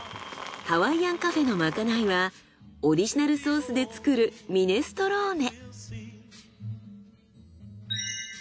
ハワイアンカフェのまかないはオリジナルソースで作るミネストローネ。